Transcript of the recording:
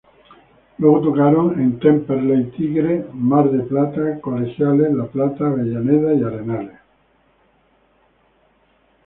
Luego tocaron en Temperley, Tigre, Mar del Plata, Colegiales, La Plata, Avellaneda y Arenales.